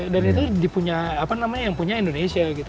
dan itu dipunya apa namanya yang punya indonesia gitu